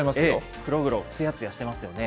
黒々、つやつやしてますよね。